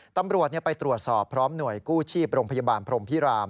ตำรวจไปตรวจสอบพร้อมหน่วยกู้ชีพโรงพยาบาลพรมพิราม